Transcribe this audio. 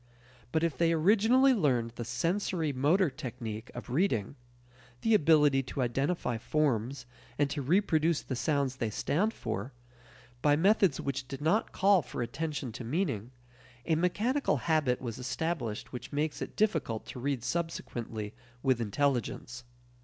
But if they originally learned the sensory motor technique of reading the ability to identify forms and to reproduce the sounds they stand for by methods which did not call for attention to meaning, a mechanical habit was established which makes it difficult to read subsequently with intelligence.